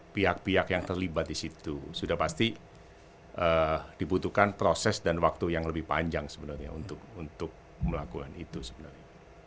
pihak pihak yang terlibat di situ sudah pasti dibutuhkan proses dan waktu yang lebih panjang sebenarnya untuk melakukan itu sebenarnya